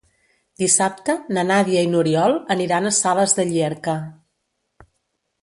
Dissabte na Nàdia i n'Oriol aniran a Sales de Llierca.